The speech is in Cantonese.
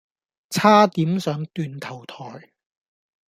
差點上斷頭臺